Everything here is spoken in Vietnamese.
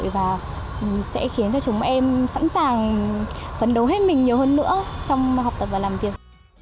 và sẽ khiến cho chúng em sẵn sàng phấn đấu hết mình nhiều hơn nữa trong học tập và làm việc